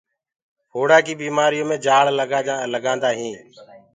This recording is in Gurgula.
ڦوڙآ ڪي بيمآريو مي جآݪ لگآندآ تآ۔